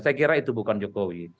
saya kira itu bukan jokowi